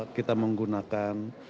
yang apa kita menggunakan